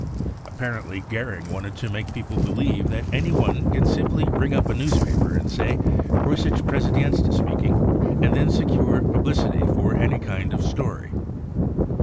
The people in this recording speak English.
Apparently Goering wanted to make people believe that anyone can simply ring up a newspaper and say :" Preus sische Pressedienst speaking," and then secure publicity for any kind of story.